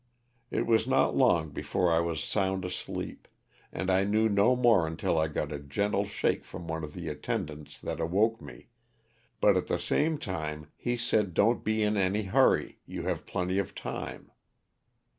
It was not long before I was sound asleep, and I knew no more until I got a gentle shake from one of the attendants that awoke me, but at the same time he said don't be in any hurry you have plenty of time.